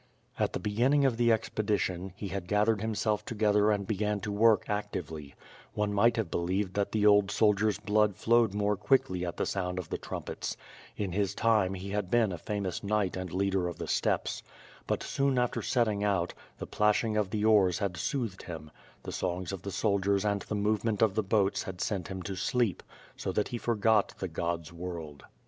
At the beginning of the expedition, he had ' gathered himself together and began to work actively; one might have believed that the old soldier^s blood flowed more quickly at the sound of the trumpets — in his time he had been a famous knight and leader of the steppes — but soon after setting out, the plash ing of the oars had soothed him; the songs of the soldiers and the movement of the boats had sent him to sleep; so that he forgot the God's world.